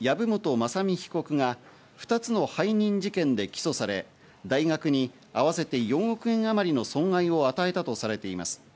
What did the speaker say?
雅巳被告が、２つの背任事件で起訴され、大学に合わせて４億円あまりの損害を与えたとされています。